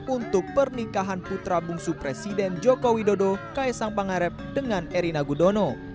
untuk pernikahan putra bungsu presiden joko widodo ks sang pangarep dengan erna gudono